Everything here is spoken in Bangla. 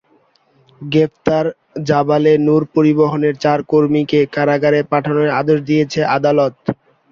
গ্রেপ্তার জাবালে নূর পরিবহনের চার কর্মীকে কারাগারে পাঠানোর আদেশ দিয়েছেন আদালত।